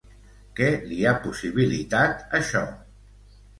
Què li ha possibilitat això?